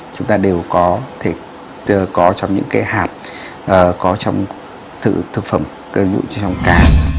chúng ta đều có thể có trong những cái hạt có trong thực phẩm cơ dụng trong cá